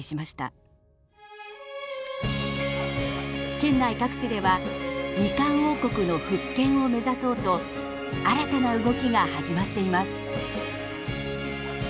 県内各地ではみかん王国の復権を目指そうと新たな動きが始まっています。